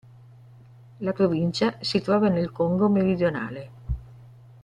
La provincia si trova nel Congo meridionale.